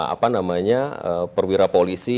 apa namanya perwira polisi